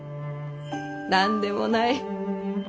何でもない。